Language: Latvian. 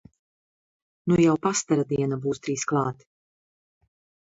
Nu jau pastara diena būs drīz klāt!